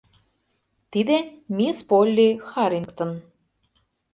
— Тиде... мисс Полли Харрингтон.